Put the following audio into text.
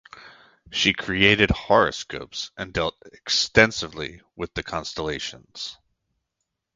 She created horoscopes and dealt extensively with the constellations.